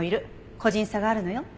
個人差があるのよ。